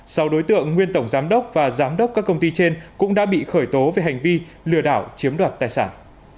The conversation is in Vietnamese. sau đối tượng nguyên tổng giám đốc và giám đốc các công ty trên cũng đã bị khởi tố về hành vi lừa đảo chiếm đoạt tài sản